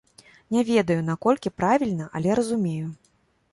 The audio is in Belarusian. Не ведаю, наколькі правільна, але разумею.